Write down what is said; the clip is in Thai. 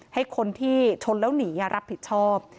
ให้คนที่ชนแล้วหนีรับผิดชอบ